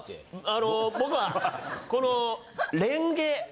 あの僕はこのレンゲ。